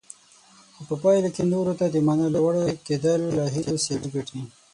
خو په پایله کې نورو ته د منلو وړ کېدل له هیلو سیالي ګټي.